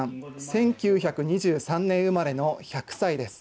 １９２３年生まれの１００歳です。